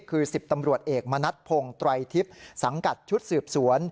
คือ๑๐ตำรวจเอกมณัฐพงศ์ไตรทิพย์สังกัดชุดสืบสวน